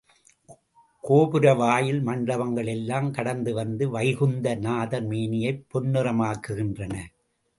கோபுரவாயில் மண்டபங்கள் எல்லாம் கடந்து வந்து வைகுந்த நாதர் மேனியைப் பொன்னிறமாக்குகின்றன.